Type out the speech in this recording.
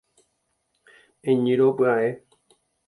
Eñyrõ pya'e